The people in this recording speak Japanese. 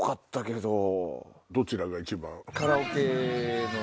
どちらが一番？